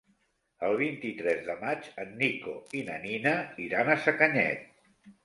El vint-i-tres de maig en Nico i na Nina iran a Sacanyet.